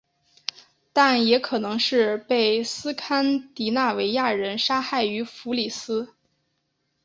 但也可能是被斯堪的纳维亚人杀害于福里斯。